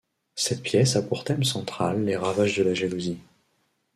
Cette pièce a pour thème central les ravages de la jalousie.